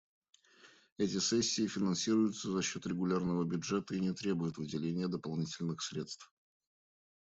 Эти сессии финансируются за счет регулярного бюджета и не требуют выделения дополнительных средств.